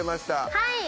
はい！